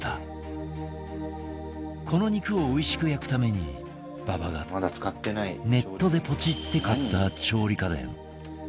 この肉をおいしく焼くために馬場がネットでポチって買った調理家電それが